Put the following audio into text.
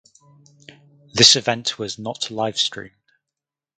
This event was not livestreamed.